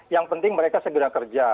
yang penting mereka segera kerja